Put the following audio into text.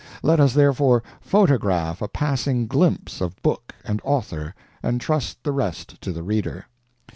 Let us, therefore, photograph a passing glimpse of book and author, and trust the rest to the reader.